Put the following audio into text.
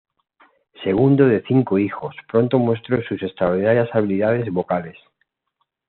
Segundo de cinco hijos, pronto mostró sus extraordinarias habilidades vocales.